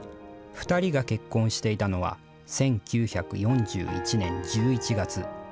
２人が結婚していたのは１９４１年１１月。